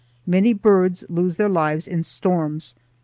Many birds lose their lives in storms.